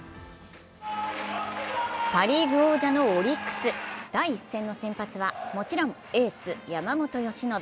パ・リーグ王者のオリックス第１戦の先発はもちろんエース・山本由伸。